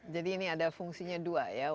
jadi ini ada fungsinya dua ya